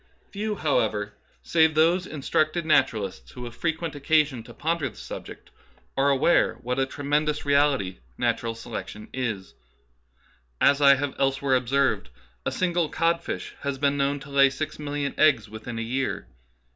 Few, however, Darwinism Verified. 13 save those instructed naturalists who have fre quent occasion to ponder the subject, are aware what a tremendous reality natural selection is. As I have elsewhere observed, " a single codfish has been known to lay six million eggs within a year.